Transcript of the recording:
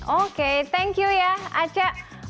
oke thank you ya aca